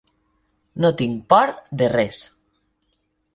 No tinc por de res.